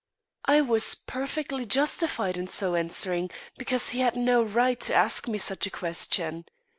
I was perfectly justified in so answering, because he had no right to ask me such a question.